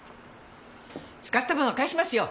使った分は返しますよ！